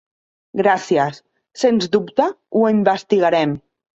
Gracies. Sens dubte, ho investigarem.